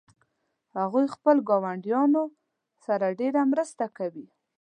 هغوی خپل ګاونډیانو سره ډیره مرسته کوي